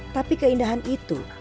tapi keindahan itu